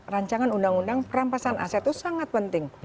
rancangan undang undang perampasan aset itu sangat penting